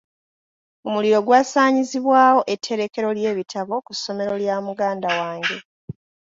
Omuliro gw’asaanyizaawo etterekero ly’ebitabo ku ssomero lya muganda wange.